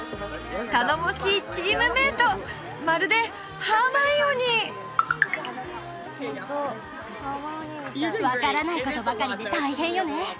頼もしいチームメイトまるでハーマイオニー分からないことばかりで大変よね